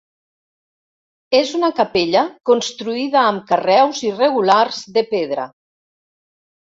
És una capella construïda amb carreus irregulars de pedra.